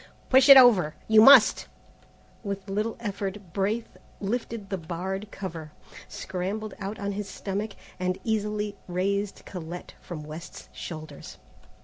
"Push it over. You must!" With little effort Braith lifted the barred cover, scrambled out on his stomach, and easily raised Colette from West's shoulders.